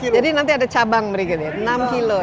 jadi nanti ada cabang berikutnya enam kilo ya